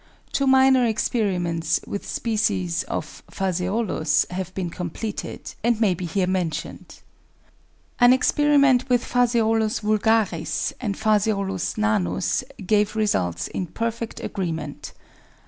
Two minor experiments with species of Phaseolus have been completed, and may be here mentioned. An experiment with Phaseolus vulgaris and Phaseolus nanus gave results in perfect agreement.